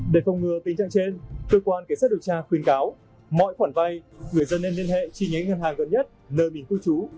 để không ngừa tình trạng trên cơ quan kế sát điều tra khuyến cáo mọi khoản vay người dân nên liên hệ chi nhánh ngân hàng gần nhất nơi mình khu trú